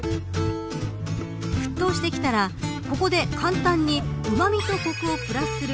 沸騰してきたら、ここで簡単にうまみとコクをプラスする。